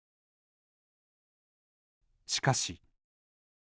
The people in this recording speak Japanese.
しかし。